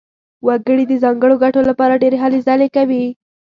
وګړي د ځانګړو ګټو لپاره ډېرې هلې ځلې کوي.